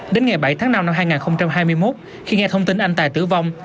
đến ngày bảy tháng năm năm hai nghìn hai mươi một khi nghe thông tin anh tài tử vong